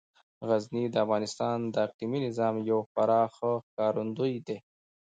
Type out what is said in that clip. غزني د افغانستان د اقلیمي نظام یو خورا ښه ښکارندوی دی.